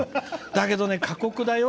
だけど、過酷だよ。